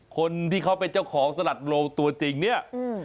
คนที่เขาเป็นเจ้าของสลัดโลตัวจริงเนี่ย